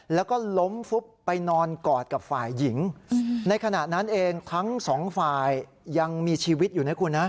แล้วก็ล้มฟุบไปนอนกอดกับฝ่ายหญิงในขณะนั้นเองทั้งสองฝ่ายยังมีชีวิตอยู่นะคุณนะ